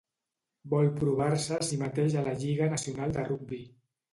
Vol provar-se a sí mateix a la lliga nacional de rugbi.